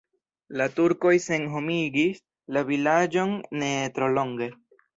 La turkoj senhomigis la vilaĝon ne tro longe.